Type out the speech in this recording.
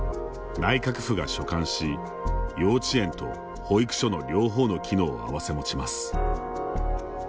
内閣府が所管し幼稚園と保育所の両方の機能を併せ持ちます。